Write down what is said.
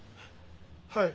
はい。